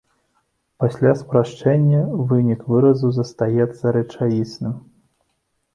Пасля спрашчэння вынік выразу застаецца рэчаісным.